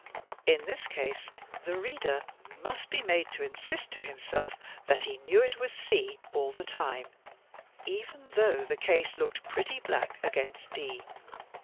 In this case the reader must be made to insist to himself that he knew it was C all the time, even though the case looked pretty black against D.